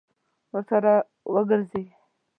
ورسره وګرځي.